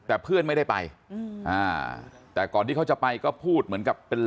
อะไรบ้างครับเรื่อง